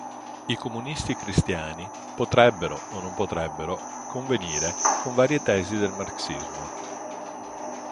I comunisti cristiani potrebbero o non potrebbero convenire con varie tesi del marxismo.